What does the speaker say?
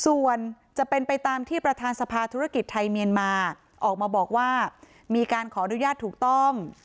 ส่วนจะเป็นไปตามที่ประธานสภาธุรกิจไทยเมียนมาออกมาบอกว่ามีการขออนุญาตถูกต้อง